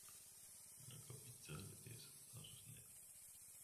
La capital es Arnhem.